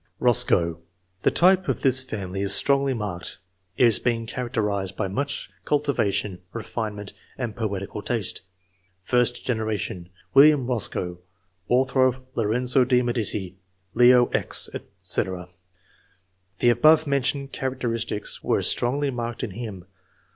EosooE. — ^The type of this family is strongly marked ; it has been characterized by much cul tivation, refinement, and poetical taste. First generation. — WiUiam Eoscoe, author of "Lorenzo di Medici,'' " Leo X." &c. The above mentioned characteristics were strongly marked in him.